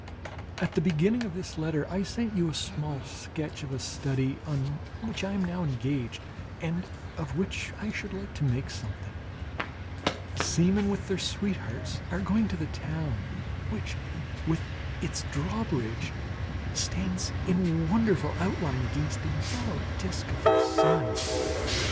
At the beginning of this letter I send you a small sketch of a study on which I am now engaged, and of which I should like to make something. Seamen with their sweethearts are going to the town, which, with its drawbridge, stands in wonderful outline against the yellow disc of the sun.